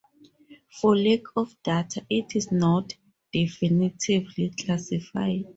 For lack of data, it is not definitively classified.